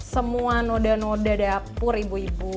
semua noda noda dapur ibu ibu